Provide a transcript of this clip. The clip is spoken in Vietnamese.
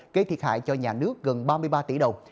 gây thiệt hại cho nhà nước gần ba mươi ba tỷ đồng